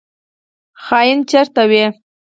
خاین چیرته وي؟